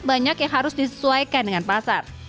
banyak yang harus disesuaikan dengan pasar